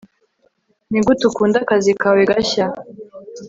nigute ukunda akazi kawe gashya